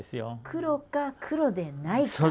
黒か黒でないか？